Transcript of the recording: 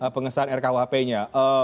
pengesahan rkuhp nya